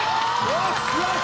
よしよし。